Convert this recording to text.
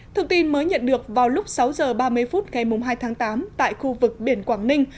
thông tin mới nhận được vào lúc sáu h ba mươi phút ngày hai tháng tám tại khu vực biển quảng ninh